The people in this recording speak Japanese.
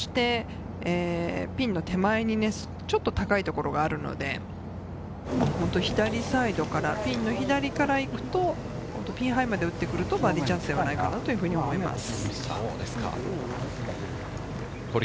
ピンの手前にちょっと高いところがあるので、左サイドからピンの左から行くと、ピンハイまで打ってくるとバーディーチャンスではないかなと思います。